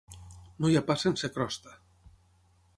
No hi ha pa sense crosta.